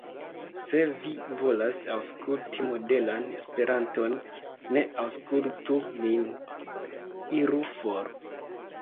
Se vi volas aŭskutli modelan Esperanton, ne aŭskultu min. Iru for.